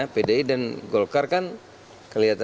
pdi dan golkar kan kelihatan